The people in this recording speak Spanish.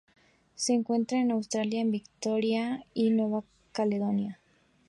Se encuentra en Australia en Victoria y Nueva Caledonia.